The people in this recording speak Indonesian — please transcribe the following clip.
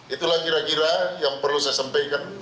itulah kira kira yang perlu saya sampaikan